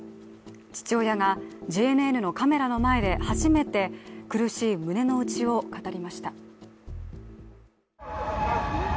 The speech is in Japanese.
父親がＪＮＮのカメラの前で初めて苦しい胸の内を語りました。